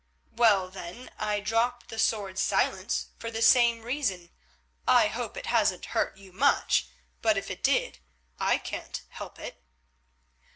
"Well, then, I dropped the sword 'Silence' for the same reason. I hope it hasn't hurt you much, but if it did I can't help it."